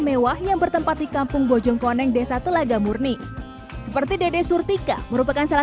mewah yang bertempati kampung boceng koneng desa telaga murni seperti dede surtika merupakan salah